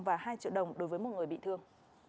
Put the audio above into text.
và hai triệu đồng đối với một người bị thương